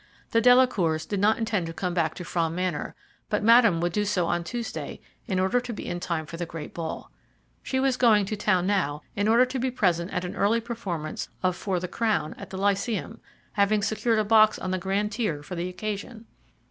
The Delacours did not intend to come back to Frome Manor, but Madame would do so on Tuesday in order to be in time for the great ball. She was going to town now in order to be present at an early performance of "For the Crown" at the Lyceum, having secured a box on the grand tier for the occasion.